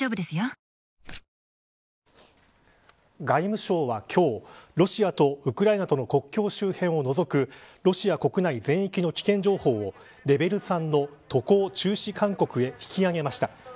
外務省は今日ロシアとウクライナとの国境周辺を除くロシア国内全域の危険情報をレベル３の渡航中止勧告へ引きあげました。